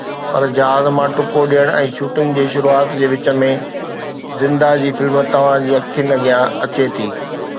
پر جهاز مان ٽپو ڏيڻ ۽ شوٽنگ جي شروعات جي وچ ۾، زندهه جي فلم توهان جي اکين اڳيان اچي ٿي